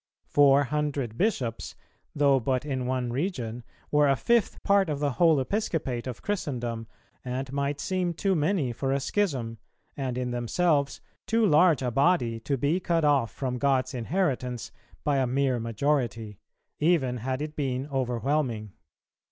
Four hundred bishops, though but in one region, were a fifth part of the whole Episcopate of Christendom, and might seem too many for a schism, and in themselves too large a body to be cut off from God's inheritance by a mere majority, even had it been overwhelming.